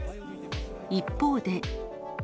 一方で。